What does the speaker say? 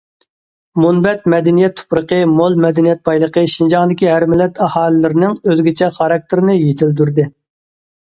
مۇنبەت مەدەنىيەت تۇپرىقى، مول مەدەنىيەت بايلىقى شىنجاڭدىكى ھەر مىللەت ئاھالىلىرىنىڭ ئۆزگىچە خاراكتېرىنى يېتىلدۈردى.